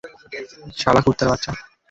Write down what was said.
শালা কুত্তার বাচ্চা।